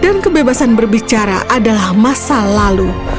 dan kebebasan berbicara adalah masa lalu